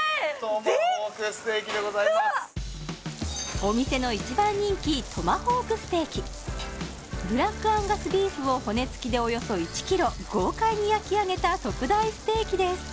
お店の一番人気トマホークステーキブラックアンガスビーフを骨付きでおよそ１キロ豪快に焼き上げた特大ステーキですお！